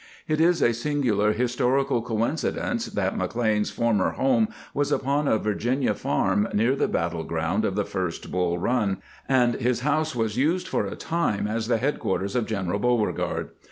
It is a singular historical coincidence that McLean's former home was upon a Virginia farm near the battle ground of the first Bull Eun, and his house was used for a time as the headquarters of General Beauregard.